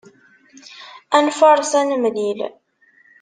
Ad nfaṛes ad nemlil.